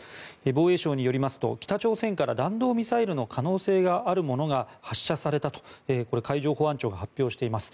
防衛省によりますと北朝鮮から弾道ミサイルの可能性があるものが発射されたと海上保安庁が発表しています。